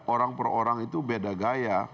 orang per orang itu beda gaya